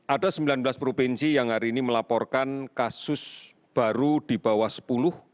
ada sembilan belas provinsi yang hari ini melaporkan kasus baru di bawah sepuluh